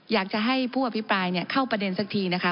อยากจะให้ผู้อภิปรายเข้าประเด็นสักทีนะคะ